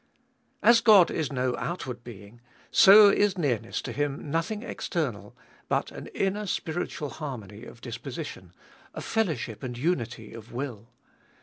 As God is no outward Being, so is nearness to Him nothing external, but an inner spiritual harmony of disposition, a fellowship and unity of will.